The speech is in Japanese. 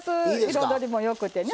彩りもよくてね